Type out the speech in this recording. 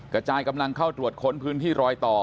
กระจายกำลังเข้าตรวจค้นพื้นที่รอยต่อ